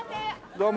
どうも。